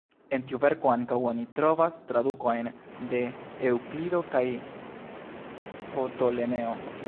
En tiu verko ankaŭ oni trovas tradukojn de Eŭklido kaj Ptolemeo.